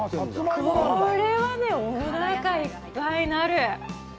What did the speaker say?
これはね、おなかいっぱいになる。